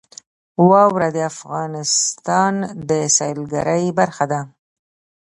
واوره د افغانستان د سیلګرۍ برخه ده.